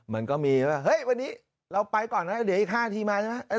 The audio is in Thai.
มันก็มีว่าเฮ้ยวันนี้เราไปก่อนนะเดี๋ยวอีก๕ทีมาใช่ไหม